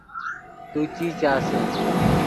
تو چی چاسے